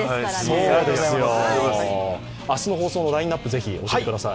明日の放送のラインナップ、ぜひ教えてください。